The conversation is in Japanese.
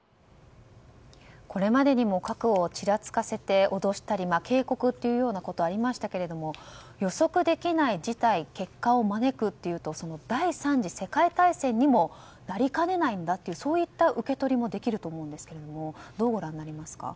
これまでにも核をちらつかせて脅したり警告というようなことはありましたが予測できない事態結果を招くとすると第３次世界大戦にもなりかねないんだとそういった受け取りもできると思うんですがどうご覧になりますか。